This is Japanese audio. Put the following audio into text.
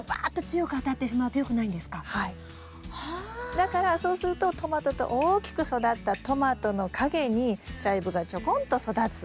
だからそうするとトマトと大きく育ったトマトの陰にチャイブがちょこんと育つ。